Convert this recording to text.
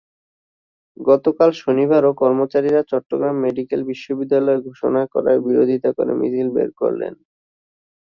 গতকাল শনিবারও কর্মচারীরা চট্টগ্রাম মেডিকেলকে বিশ্ববিদ্যালয় ঘোষণা করার বিরোধিতা করে মিছিল বের করেন।